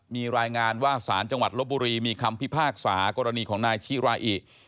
มีรายงานว่าสารจังหวัดลบบุรีมีคำพิพากษากรณีของนายชิราอิ